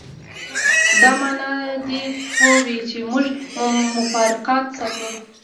دا معنی دې پوه وي چې موږ مفارقت ستاسو.